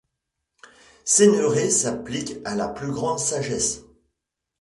Céneré s’applique à la plus grande sagesse.